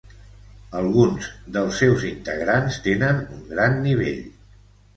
Alguns dels seus integrants tenen un gran nivell.